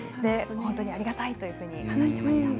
本当にありがたいと話していました。